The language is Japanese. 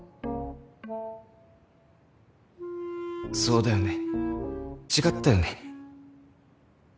そうだよね違ったよね